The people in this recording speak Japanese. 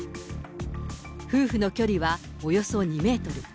夫婦の距離はおよそ２メートル。